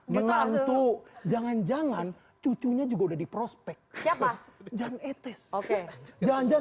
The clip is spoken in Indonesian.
menantu jangan jangan cucunya juga udah di prospek siapa jangan etes oke jangan jangan